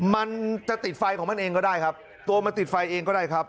มันจะติดไฟของมันเองก็ได้ครับตัวมันติดไฟเองก็ได้ครับ